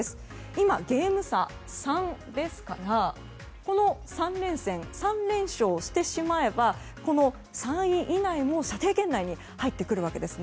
今、ゲーム差３ですからこの３連戦で３連勝してしまえばこの３位以内も射程圏内に入ってくるわけです。